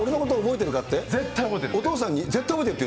お父さんが俺の絶対覚えてるって。